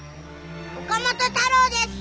岡本太郎です！